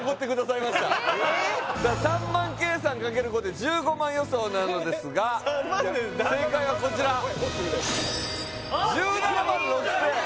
３万計算×５で１５万予想なのですが正解はこちら１７万６０００円